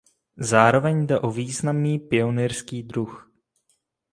Zároveň jde o významný pionýrský druh.